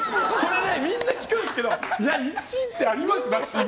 みんな聞くんですけど１位ってあります？